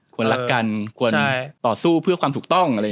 รักกันควรต่อสู้เพื่อความถูกต้อง